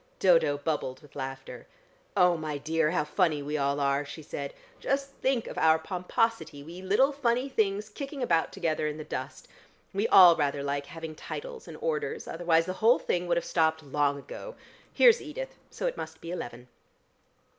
Dodo bubbled with laughter. "Oh, my dear, how funny we all are," she said. "Just think of our pomposity, we little funny things kicking about together in the dust! We all rather like having titles and orders; otherwise the whole thing would have stopped long ago. Here's Edith: so it must be eleven."